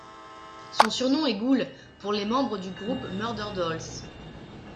Son surnom est 'Ghoul' pour les membres du groupe Murderdolls.